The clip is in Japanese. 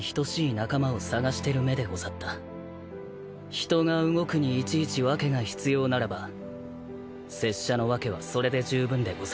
人が動くにいちいち訳が必要ならば拙者の訳はそれで十分でござる。